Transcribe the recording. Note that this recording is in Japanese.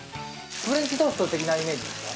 フレンチトースト的なイメージですか？